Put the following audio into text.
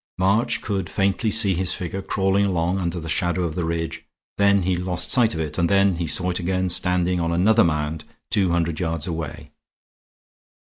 March could faintly see his figure crawling along under the shadow of the ridge, then he lost sight of it, and then he saw it again standing on another mound two hundred yards away.